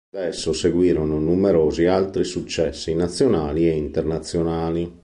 Da esso seguirono numerosi altri successi nazionali e internazionali.